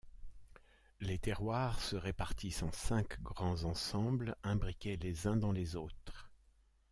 Les terroirs se répartissent en cinq grands ensembles imbriqués les uns dans les autres.